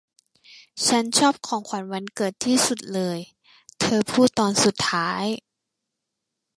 'ฉันชอบของขวัญวันเกิดที่สุดเลย' เธอพูดตอนสุดท้าย